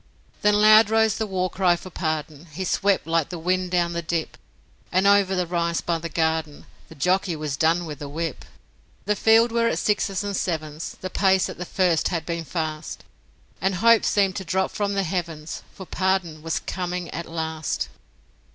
Then loud rose the war cry for Pardon; He swept like the wind down the dip, And over the rise by the garden, The jockey was done with the whip The field were at sixes and sevens The pace at the first had been fast And hope seemed to drop from the heavens, For Pardon was coming at last.